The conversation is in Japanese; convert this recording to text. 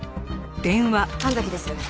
神崎です。